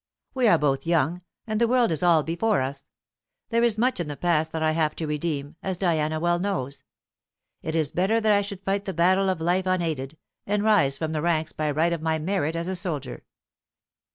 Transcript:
We are both young, and the world is all before us. There is much in the past that I have to redeem, as Diana well knows. It is better that I should fight the battle of life unaided, and rise from the ranks by right of my merit as a soldier.